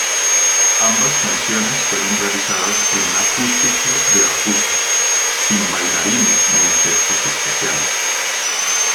Ambas canciones fueron realizadas en un acústico de ajuste, sin bailarines ni efectos especiales.